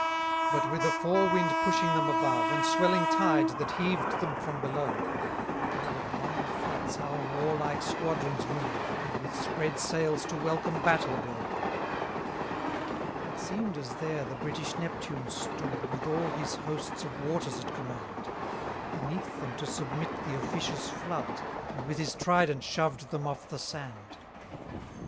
183 But with a fore wind pushing them above, And swelling tide that heaved them from below, O'er the blind flats our warlike squadrons move, And with spread sails to welcome battle go. 184 It seem'd as there the British Neptune stood, With all his hosts of waters at command. Beneath them to submit the officious flood; And with his trident shoved them off the sand.